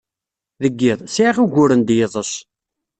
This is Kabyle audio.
Deg yiḍ, sɛiɣ uguren d yiḍes.